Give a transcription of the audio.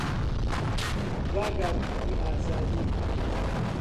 گاگا بیری ئازادی